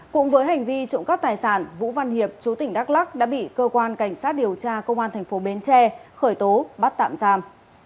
cũng với hành vi trộm cắp tài sản vũ văn hiệp chú tỉnh đắk lắc đã bị cơ quan cảnh sát điều tra công an thành phố bến tre khởi tố bắt tạm giam